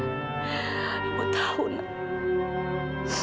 ibu tahu nak